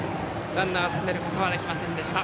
ランナー、進めることができませんでした。